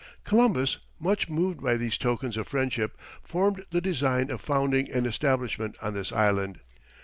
Columbus, much moved by these tokens of friendship, formed the design of founding an establishment on this island.